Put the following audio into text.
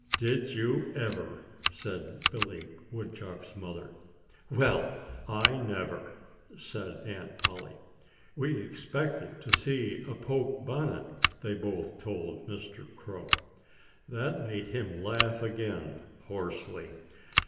"Did you ever?" said Billy Woodchuck's mother. "Well, I never!" said Aunt Polly. "We expected to see a poke bonnet," they both told Mr. Crow. That made him laugh again hoarsely.